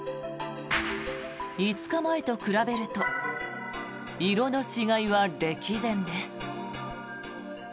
５日前と比べると色の違いは歴然です。